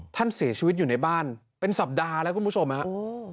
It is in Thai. ท่านเสียชีวิตอยู่ในบ้านเป็นสัปดาห์แล้วคุณผู้ชมฮะโอ้